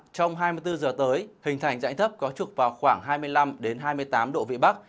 trong hai mươi bốn giờ tới hình thành dãy thấp có trục vào khoảng hai mươi năm hai mươi tám độ vị bắc